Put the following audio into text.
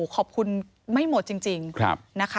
ขอบคุณไม่หมดจริง